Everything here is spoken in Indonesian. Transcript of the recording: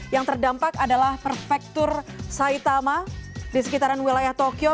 yang terdampak adalah perfektur saitama di sekitaran wilayah tokyo